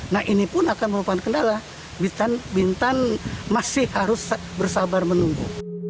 nah ini pun akan merupakan kendala bintan masih harus bersabar menunggu